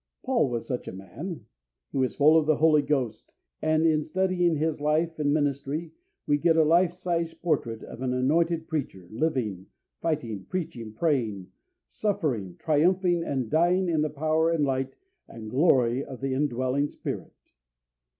Paul was such a man. He was full of the Holy Spirit, and in studying his life and ministry we get a life sized portrait of an anointed preacher living, fighting, preaching, praying, suffering, triumphing, and dying in the power and light and glory of the indwelling Spirit.